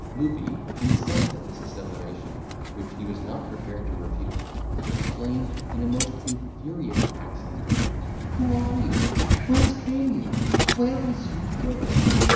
Looby, incensed at this asseveration, which he was not prepared to refute, exclaimed, in a most infuriate accent, "Who are you?—whence came you?—where was you bred?